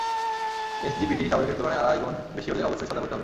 SGPT স্বাভাবিকের তুলনায় আড়াই গুণ বেশি হলে অবশ্যই সজাগ হতে হবে।